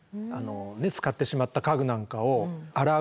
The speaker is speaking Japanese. つかってしまった家具なんかを洗う。